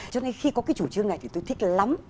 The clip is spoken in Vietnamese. cho nên khi có cái chủ trương này thì tôi thích là lắm